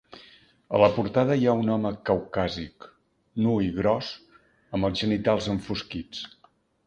A la portada hi ha un home caucàsic nu i gros, amb els genitals enfosquits.